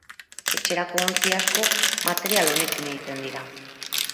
Etxerako ontzi asko material honekin egiten dira.